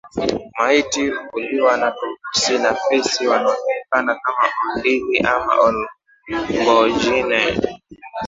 Maiti huliwa na tumbusi na fisi wanaojulikana kama Ondili ama Olngojine